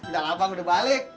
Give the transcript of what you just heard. gak apa apa udah balik